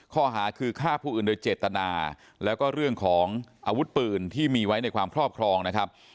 ข้อหาคือฆ่าผู้อื่นโดยเจตนาแล้วก็เรื่องของอาวุธปืนที่มีไว้ในความครอบครองนะครับ